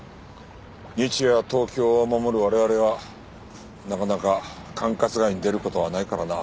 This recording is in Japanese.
日夜東京を守る我々はなかなか管轄外に出る事はないからな。